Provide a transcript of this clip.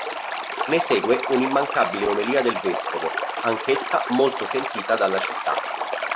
Ne segue un'immancabile omelia del Vescovo, anch'essa molto sentita dalla Città.